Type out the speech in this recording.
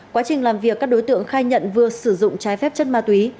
quá trình làm việc các đối tượng khai nhận vừa sử dụng trái phép chất ma túy